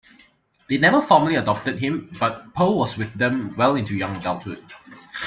They never formally adopted him, but Poe was with them well into young adulthood.